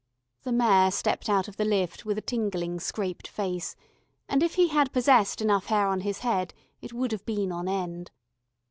The Mayor stepped out of the lift with a tingling scraped face, and if he had possessed enough hair on his head, it would have been on end.